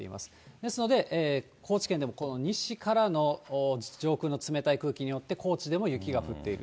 ですので、高知県でもこの西からの上空の冷たい空気によって高知でも雪が降っている。